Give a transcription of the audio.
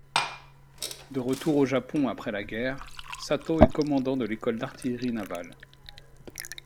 De retour au Japon après la guerre, Satō est commandant de l'école d'artillerie navale.